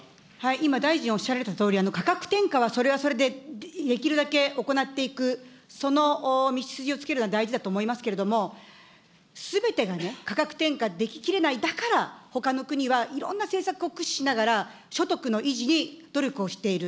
今、大臣、おっしゃられたとおり、価格転嫁はそれはそれで、できるだけ行っていく、その道筋をつけるのは大事だと思いますけれども、すべてが価格転嫁でききれない、だからほかの国はいろんな政策を駆使しながら、所得の維持に努力をしている。